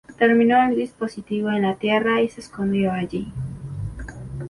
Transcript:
Terminó el dispositivo en la Tierra y se escondió allí.